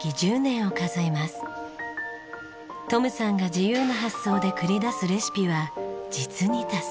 トムさんが自由な発想で繰り出すレシピは実に多彩。